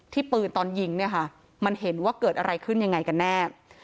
ปืนตอนยิงเนี่ยค่ะมันเห็นว่าเกิดอะไรขึ้นยังไงกันแน่